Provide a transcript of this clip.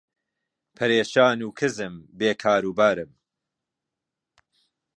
پەرێشان و کزم بێ کاروبارم